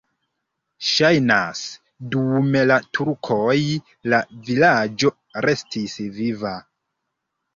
Ŝajnas, dum la turkoj la vilaĝo restis viva.